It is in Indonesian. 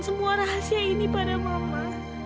semua rahasia ini pada mama